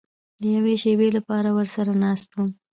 د یوې شېبې لپاره ورسره ناست وم.